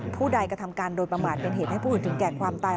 ผู้ใดกระทำการโดยประมาทเป็นเหตุให้ผู้อื่นถึงแก่ความตาย